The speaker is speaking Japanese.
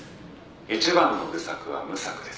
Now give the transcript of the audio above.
「一番の愚策は無策です。